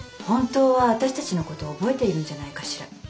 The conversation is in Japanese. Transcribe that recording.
本当は私たちのこと覚えているんじゃないかしら。